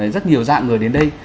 rất nhiều dạng người đến đây